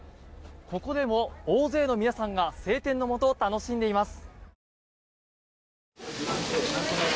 ここでも大勢の皆さんが晴天のもと、楽しんでいます。